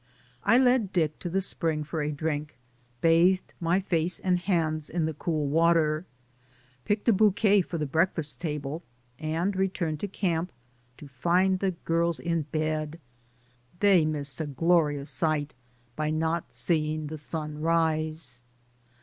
I led Dick to the spring for a drink, bathed my face and hands in the cool water, picked a bouquet for the breakfast table, and returned to camp to find the girls in bed. They missed a glorious sight by not seeing the sun rise.